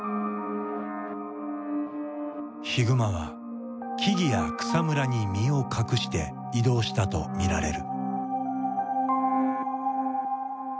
ヒグマは木々や草むらに身を隠して移動したと見られる。